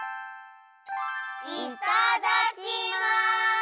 いただきます！